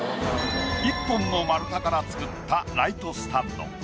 １本の丸太から作ったライトスタンド。